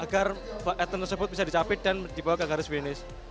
jadi kita harus menemukan motor servo agar item tersebut bisa dicapit dan dibawa ke garis finish